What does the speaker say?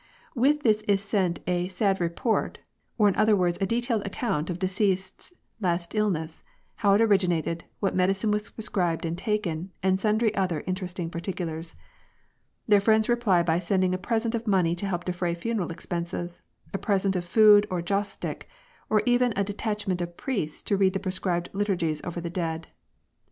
With this is sent a " sad report," or in other words a detailed account of deceased's last illness, how it originated, what medicine was prescribed and taken, and sundry other interesting particulars. Their friends reply by sending a present of money to help defray funeral expenses, a present of food or joss stick, or even a detachment of priests to read the prescribed liturgies over the dead.